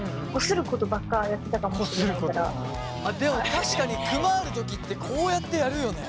でも確かにクマあるときってこうやってやるよね